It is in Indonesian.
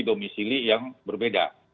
domisili yang berbeda